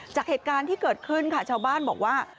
จากเหตุการณ์ที่เกิดขึ้นค่ะชาวบ้านบอกว่า